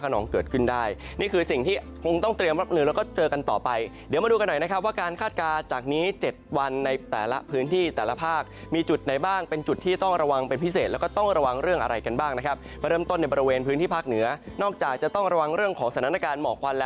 น้องเกิดขึ้นได้นี่คือสิ่งที่คงต้องเตรียมรับมือแล้วก็เจอกันต่อไปเดี๋ยวมาดูกันหน่อยนะครับว่าการคาดการณ์จากนี้๗วันในแต่ละพื้นที่แต่ละภาคมีจุดไหนบ้างเป็นจุดที่ต้องระวังเป็นพิเศษแล้วก็ต้องระวังเรื่องอะไรกันบ้างนะครับมาเริ่มต้นในบริเวณพื้นที่ภาคเหนือนอกจากจะต้องระวังเรื่องของสถานการณ์หมอกควันแล้ว